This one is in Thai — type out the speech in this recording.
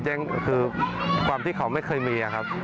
แย่งคือความที่เขาไม่เคยมีนะครับ